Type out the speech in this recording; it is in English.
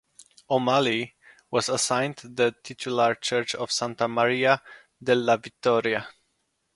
O'Malley was assigned the titular church of Santa Maria della Vittoria.